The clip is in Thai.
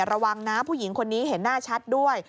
ระวังนะผู้หญิงคนนี้เห็นหน้าชัดด้วย